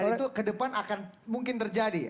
dan itu ke depan akan mungkin terjadi